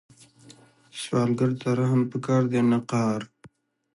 سوالګر ته رحم پکار دی، نه قهر